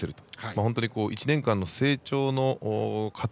本当に、１年間の成長の過程。